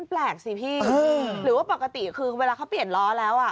แปลกสิพี่หรือว่าปกติคือเวลาเขาเปลี่ยนล้อแล้ว